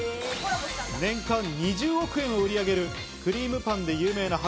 年間２０億円を売り上げるくりーむパンで有名な八